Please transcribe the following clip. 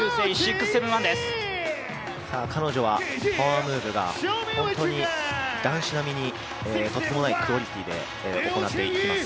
彼女はパワームーブが本当に男子並みにとてつもないクオリティーで行っていきます。